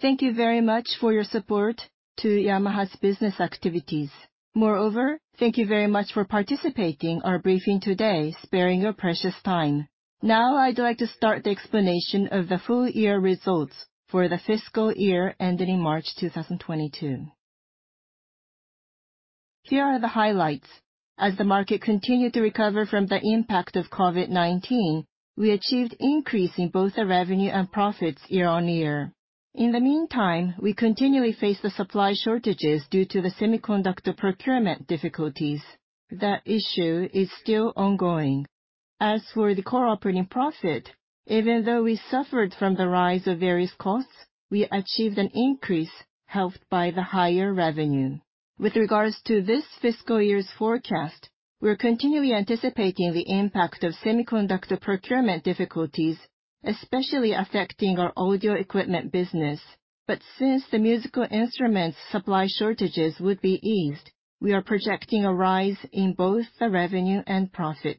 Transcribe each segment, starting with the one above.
Thank you very much for your support to Yamaha's business activities. Moreover, thank you very much for participating in our briefing today, sparing your precious time. Now I'd like to start the explanation of the full year results for the fiscal year ending March 2022. Here are the highlights. As the market continued to recover from the impact of COVID-19, we achieved an increase in both the revenue and profits year-over-year. In the meantime, we continually face the supply shortages due to the semiconductor procurement difficulties. That issue is still ongoing. As for the core operating profit, even though we suffered from the rise of various costs, we achieved an increase helped by the higher revenue. With regards to this fiscal year's forecast, we're continually anticipating the impact of semiconductor procurement difficulties, especially affecting our audio equipment business. Since the musical instruments supply shortages would be eased, we are projecting a rise in both the revenue and profit.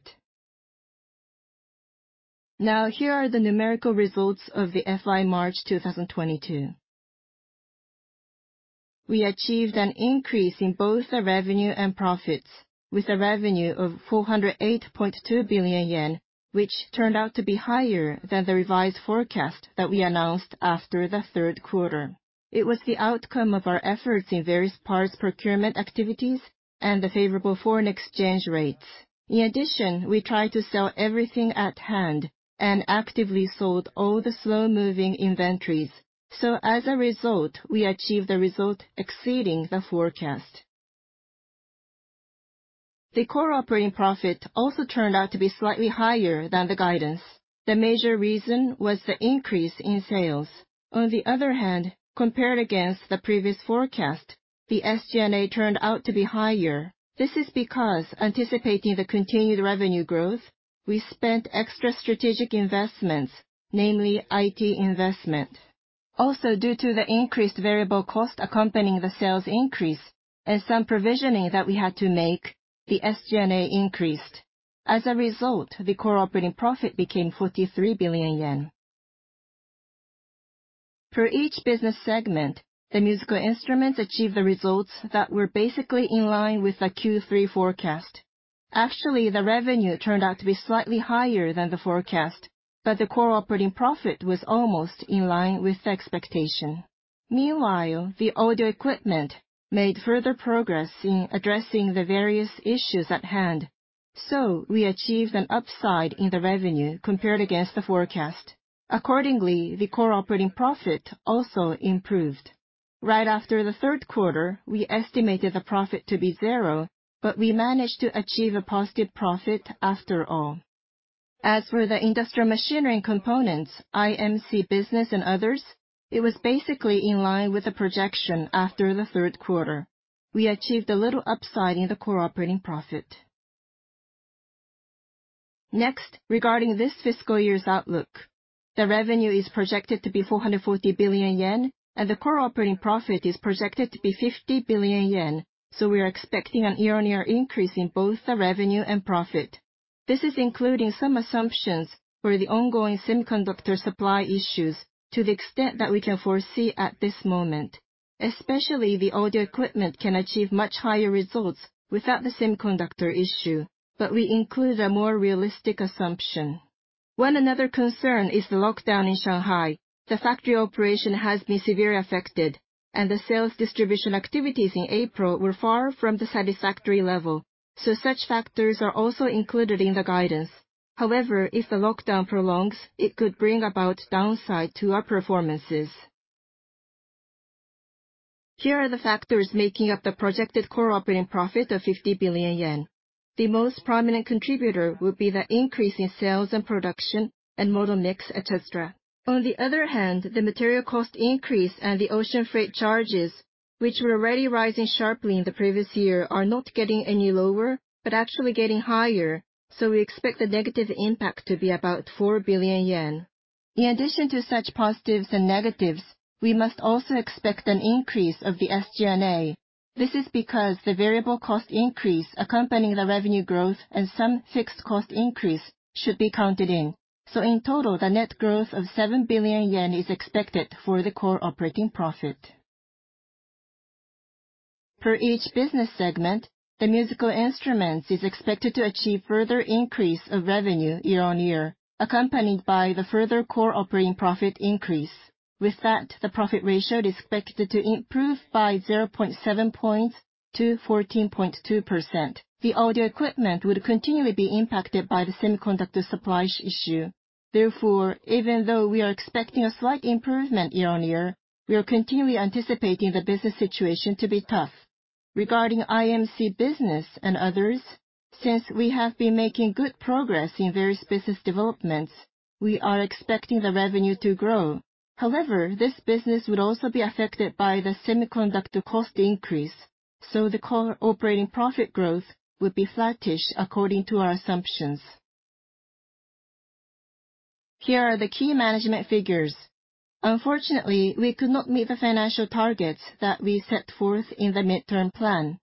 Now, here are the numerical results of the FY March 2022. We achieved an increase in both the revenue and profits, with a revenue of 408.2 billion yen, which turned out to be higher than the revised forecast that we announced after the Q3. It was the outcome of our efforts in various parts procurement activities and the favorable foreign exchange rates. In addition, we tried to sell everything at hand and actively sold all the slow-moving inventories. As a result, we achieved a result exceeding the forecast. The core operating profit also turned out to be slightly higher than the guidance. The major reason was the increase in sales. On the other hand, compared against the previous forecast, the SG&A turned out to be higher. This is because anticipating the continued revenue growth, we spent extra strategic investments, namely IT investment. Also, due to the increased variable cost accompanying the sales increase and some provisioning that we had to make, the SG&A increased. As a result, the core operating profit became 43 billion yen. Per each business segment, the musical instruments achieved the results that were basically in line with the Q3 forecast. Actually, the revenue turned out to be slightly higher than the forecast, but the core operating profit was almost in line with the expectation. Meanwhile, the audio equipment made further progress in addressing the various issues at hand, so we achieved an upside in the revenue compared against the forecast. Accordingly, the core operating profit also improved. Right after the Q3, we estimated the profit to be zero, but we managed to achieve a positive profit after all. As for the industrial machinery and components, IMC business and others, it was basically in line with the projection after the Q3. We achieved a little upside in the core operating profit. Next, regarding this fiscal year's outlook, the revenue is projected to be 440 billion yen, and the core operating profit is projected to be 50 billion yen. We are expecting a year-on-year increase in both the revenue and profit. This is including some assumptions for the ongoing semiconductor supply issues to the extent that we can foresee at this moment. Especially the audio equipment can achieve much higher results without the semiconductor issue, but we include a more realistic assumption. Another concern is the lockdown in Shanghai. The factory operation has been severely affected, and the sales distribution activities in April were far from the satisfactory level. Such factors are also included in the guidance. However, if the lockdown prolongs, it could bring about downside to our performances. Here are the factors making up the projected core operating profit of 50 billion yen. The most prominent contributor will be the increase in sales and production and model mix, et cetera. On the other hand, the material cost increase and the ocean freight charges, which were already rising sharply in the previous year, are not getting any lower, but actually getting higher. We expect the negative impact to be about 4 billion yen. In addition to such positives and negatives, we must also expect an increase of the SG&A. This is because the variable cost increase accompanying the revenue growth and some fixed cost increase should be counted in. In total, the net growth of 7 billion yen is expected for the core operating profit. Per each business segment, the musical instruments is expected to achieve further increase of revenue year-on-year, accompanied by the further core operating profit increase. With that, the profit ratio is expected to improve by 0.7 points to 14.2%. The audio equipment would continually be impacted by the semiconductor supply issue. Therefore, even though we are expecting a slight improvement year-on-year, we are continually anticipating the business situation to be tough. Regarding IMC business and others, since we have been making good progress in various business developments, we are expecting the revenue to grow. However, this business would also be affected by the semiconductor cost increase, so the core operating profit growth would be flattish according to our assumptions. Here are the key management figures. Unfortunately, we could not meet the financial targets that we set forth in the midterm plan.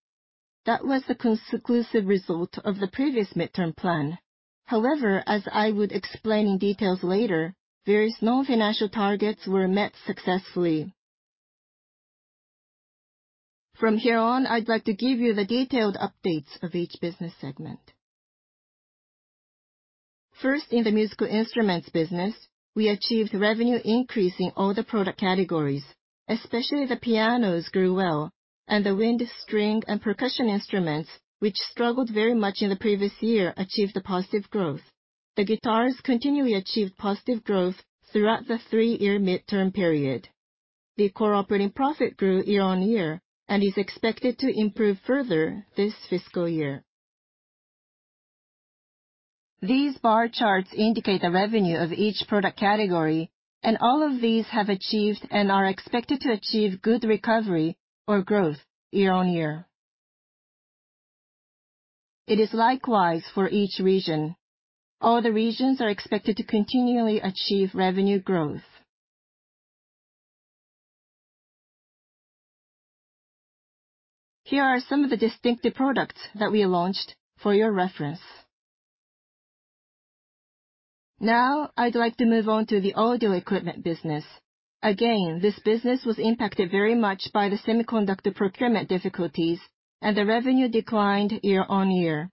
That was the conclusive result of the previous midterm plan. However, as I would explain in details later, various non-financial targets were met successfully. From here on, I'd like to give you the detailed updates of each business segment. First, in the musical instruments business, we achieved revenue increase in all the product categories, especially the pianos grew well, and the wind, string, and percussion instruments, which struggled very much in the previous year, achieved a positive growth. The guitars continually achieved positive growth throughout the three-year midterm period. The core operating profit grew year-on-year and is expected to improve further this fiscal year. These bar charts indicate the revenue of each product category, and all of these have achieved and are expected to achieve good recovery or growth year-on-year. It is likewise for each region. All the regions are expected to continually achieve revenue growth. Here are some of the distinctive products that we launched for your reference. Now I'd like to move on to the audio equipment business. Again, this business was impacted very much by the semiconductor procurement difficulties, and the revenue declined year-on-year.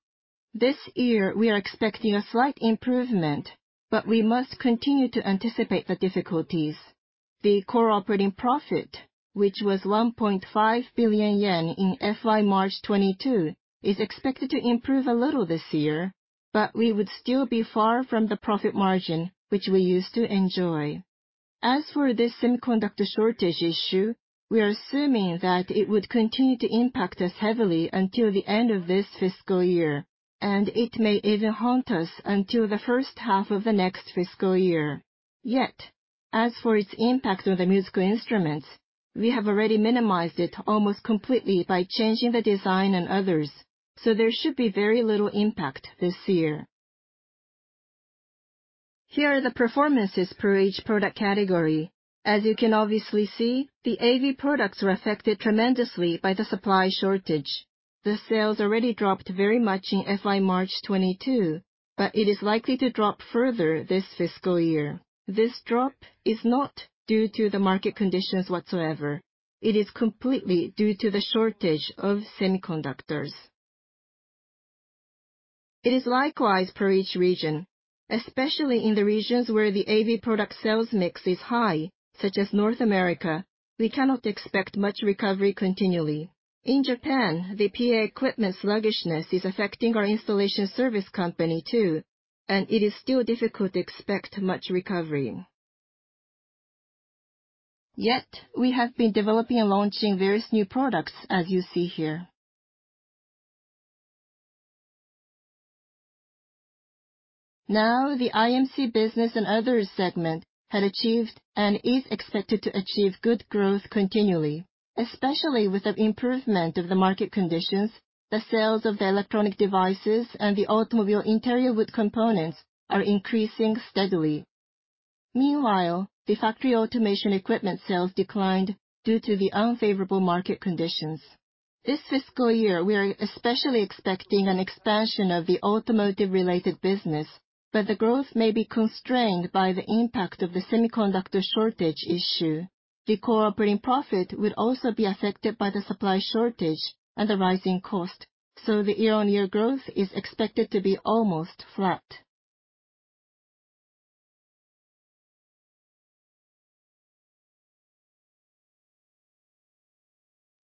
This year, we are expecting a slight improvement, but we must continue to anticipate the difficulties. The core operating profit, which was 1.5 billion yen in FY March 2022, is expected to improve a little this year, but we would still be far from the profit margin, which we used to enjoy. As for this semiconductor shortage issue, we are assuming that it would continue to impact us heavily until the end of this fiscal year, and it may even haunt us until the first half of the next fiscal year. Yet, as for its impact on the musical instruments, we have already minimized it almost completely by changing the design and others, so there should be very little impact this year. Here are the performances per each product category. As you can obviously see, the AV products were affected tremendously by the supply shortage. Sales already dropped very much in FY March 2022. It is likely to drop further this fiscal year. This drop is not due to the market conditions whatsoever. It is completely due to the shortage of semiconductors. It is likewise per each region, especially in the regions where the AV products sales mix is high, such as North America. We cannot expect much recovery continually. In Japan, the PA equipment sluggishness is affecting our installation service company too, and it is still difficult to expect much recovery. Yet, we have been developing and launching various new products, as you see here. Now, the Others/IMC segment had achieved and is expected to achieve good growth continually. Especially with the improvement of the market conditions, the sales of the electronic devices and the automobile interior wood components are increasing steadily. Meanwhile, the factory automation equipment sales declined due to the unfavorable market conditions. This fiscal year, we are especially expecting an expansion of the automotive related business, but the growth may be constrained by the impact of the semiconductor shortage issue. The operating profit will also be affected by the supply shortage and the rising cost. So the year-on-year growth is expected to be almost flat.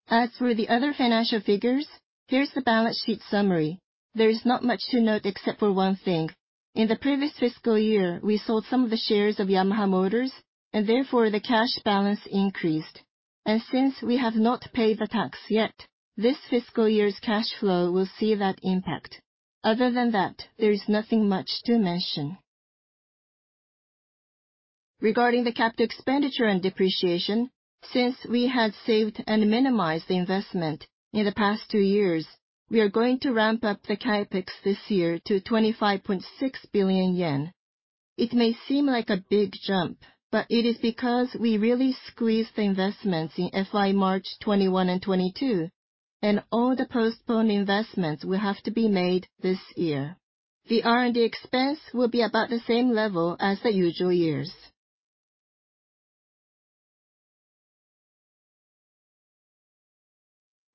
As for the other financial figures, here's the balance sheet summary. There is not much to note except for one thing. In the previous fiscal year, we sold some of the shares of Yamaha Motor and therefore the cash balance increased. Since we have not paid the tax yet, this fiscal year's cash flow will see that impact. Other than that, there is nothing much to mention. Regarding the capital expenditure and depreciation, since we had saved and minimized the investment in the past two years, we are going to ramp up the CapEx this year to 25.6 billion yen. It may seem like a big jump, but it is because we really squeezed the investments in FY March 2021 and 2022, and all the postponed investments will have to be made this year. The R&D expense will be about the same level as the usual years.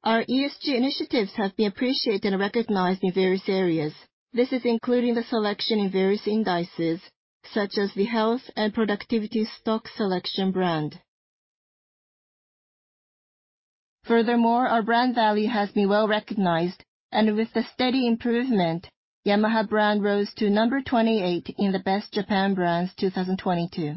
Our ESG initiatives have been appreciated and recognized in various areas. This is including the selection in various indices, such as the Health and Productivity Stock Selection. Furthermore, our brand value has been well-recognized, and with the steady improvement, Yamaha brand rose to number 28 in the Best Japan Brands 2022.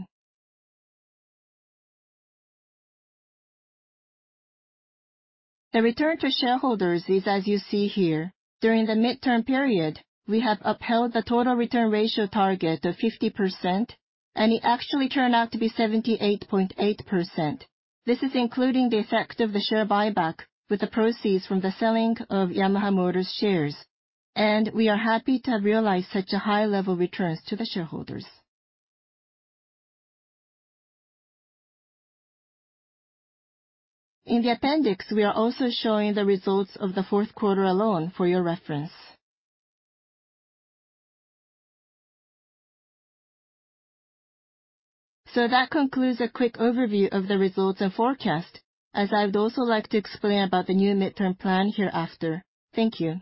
The return to shareholders is as you see here. During the midterm period, we have upheld the total return ratio target of 50%, and it actually turned out to be 78.8%. This is including the effect of the share buyback with the proceeds from the selling of Yamaha Motor's shares. We are happy to have realized such a high level returns to the shareholders. In the appendix, we are also showing the results of the Q4 alone for your reference. That concludes a quick overview of the results and forecast, as I would also like to explain about the new midterm plan hereafter. Thank you.